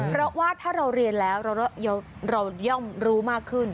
เพราะว่าถ้าเราเรียนแล้วเราย่อมรู้มากขึ้น